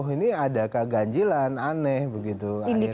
ini ada keganjilan aneh begitu